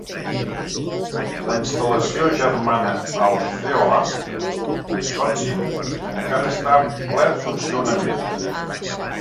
La instal·lació germana a Osceola, Wisconsin encara està en ple funcionament.